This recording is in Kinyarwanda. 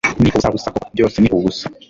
ni ubusabusa koko, byose ni ubusa